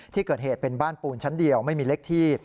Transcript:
ที่เกิดเหตุเป็นบ้านปูนชั้นเดียวไม่มีเล็กที่